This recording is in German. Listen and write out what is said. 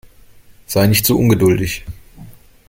Sei nicht so ungeduldig.